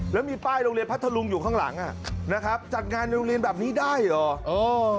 แล้วมีป้ายโรงเรียนพัทธรุงอยู่ข้างหลังอ่ะนะครับจัดงานในโรงเรียนแบบนี้ได้เหรอเออ